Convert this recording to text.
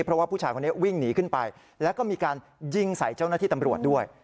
เพราะว่าผู้ชายคนนี้วิ่งหนีขึ้นไปแล้วก็มีการยิงใส่เจ้าหน้าที่ตำรวจด้วย